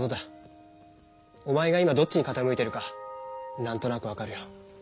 おまえが今どっちにかたむいてるかなんとなくわかるよ。